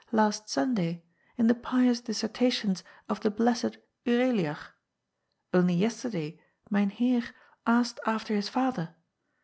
last Sunday) in the pious dissertations of the blessed Ureliag. Only yesterday Myn Heer asked after his father.